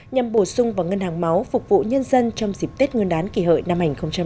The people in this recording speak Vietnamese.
nhằm bổ sung vào ngân hàng máu phục vụ nhân dân trong dịp tết nguyên đán kỷ hợi năm hai nghìn một mươi chín